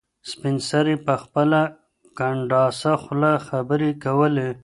سپین سرې په خپله کنډاسه خوله خبرې کولې.